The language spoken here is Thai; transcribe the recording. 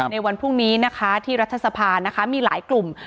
ในวันพรุ่งนี้นะคะที่รัฐสภานะคะมีหลายกลุ่ม